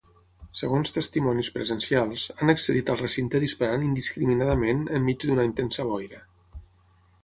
Segons testimonis presencials, han accedit al recinte disparant indiscriminadament enmig d’una intensa boira.